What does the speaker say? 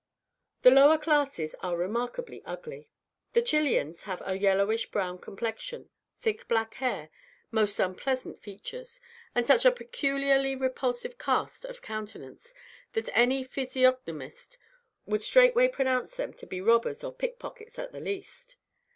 The lower classes are remarkably ugly. The Chilians have a yellowish brown complexion, thick black hair, most unpleasant features, and such a peculiarly repulsive cast of countenance, that any physiognomist would straightway pronounce them to be robbers or pickpockets at the least.